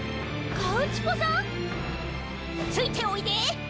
カウチポさん⁉ついておいで！